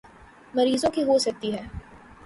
مریضوں کی ہو سکتی ہیں